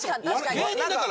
芸人だから。